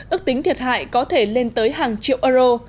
ước tính thiệt hại có thể lên tới hàng triệu euro